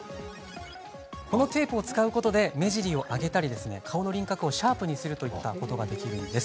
このテープを使うことで目尻を上げたり、顔の輪郭をシャープにするといったことができるんです。